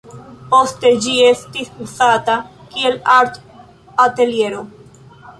Poste ĝi estis uzata kiel art-ateliero.